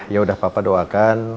yaudah papa doakan